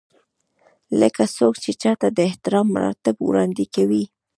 لکه څوک چې چاته د احترام مراتب وړاندې کوي.